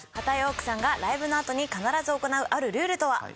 波田陽区さんがライブのあとに必ず行うあるルールとは？